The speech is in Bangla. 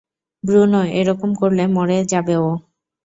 ব্রুনো, এরকম করলে মরে যাবে ও!